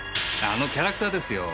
あのキャラクターですよ。